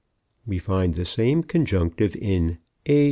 We find the same conjunctive in A.